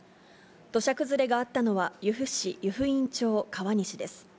土砂崩れがあったのは、由布市湯布院町川西です。